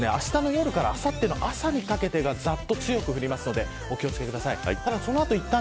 特にあしたの夜からあさっての朝にかけてがざっと強く降るのでお気を付けください。